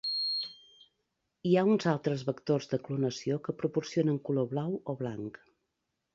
Hi ha uns altres vectors de clonació que proporcionen color blau o blanc.